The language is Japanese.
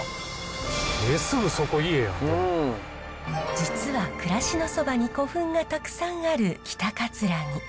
実は暮らしのそばに古墳がたくさんある北城。